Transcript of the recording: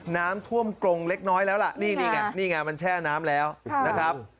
น้ำท่วมกรงเล็กน้อยแล้วล่ะนี่ไงนี่ไงมันแช่น้ำแล้วนะครับ